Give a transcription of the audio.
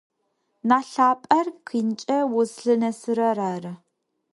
Нахь лъапӏэр къинкӏэ узлъынэсырэр ары.